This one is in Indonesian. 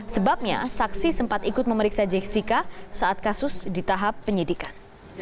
sebabnya saksi sempat ikut memeriksa jessica saat kasus di tahap penyidikan